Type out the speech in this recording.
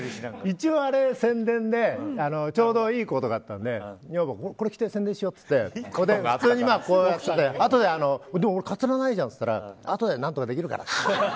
一応、あれ宣伝でちょうどいいことがあったので女房にこれ着て宣伝しよって言って普通にこうやっててあとで、でもかつらないじゃんって言ったらあとで何とかできるからって。